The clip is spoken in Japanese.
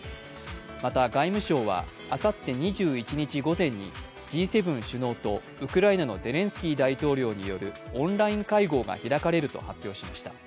また、外務省はあさって２１日午前に、Ｇ７首脳とウクライナのゼレンスキー大統領によるオンライン会合が開かれると発表しました。